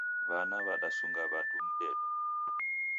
Wana wadasunga wandu mdedo